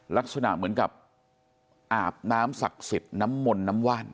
ลักษณะเหมือนกับอาบน้ำศักดิ์สิทธิ์น้ำมนต์น้ำว่าน